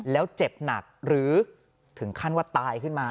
แล้วเจ็บหนักหรือถึงขั้นว่าตายขึ้นมา